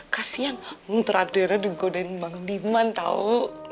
kasian mentera daerah digodain bang diman tau